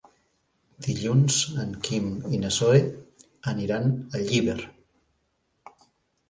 Dilluns en Quim i na Zoè aniran a Llíber.